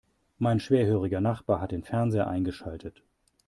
Mein schwerhöriger Nachbar hat den Fernseher eingeschaltet.